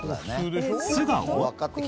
素顔？